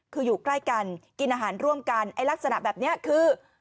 คืออยู่ใกล้กันกินอาหารร่วมกันไอ้ลักษณะแบบนี้คือ